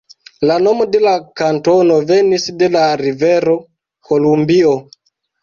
La nomo de la kantono venis de la rivero Kolumbio.